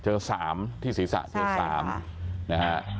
เจอ๓ที่ศีรษะเจอ๓นะฮะ